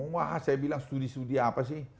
wah saya bilang studi studi apa sih